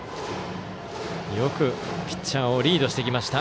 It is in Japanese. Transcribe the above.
よくピッチャーをリードしてきました。